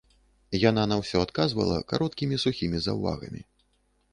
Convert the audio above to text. Яна на ўсё адказвала кароткімі сухімі заўвагамі.